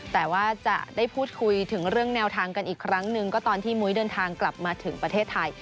แต่ว่าจะได้พูดคุยถึงเรื่องแนวทางกันอีกครั้งหนึ่งก็ตอนที่มุ้ยเดินทางกลับมาถึงประเทศไทย